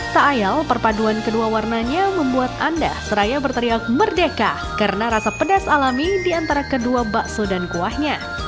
tak ayal perpaduan kedua warnanya membuat anda seraya berteriak merdeka karena rasa pedas alami di antara kedua bakso dan kuahnya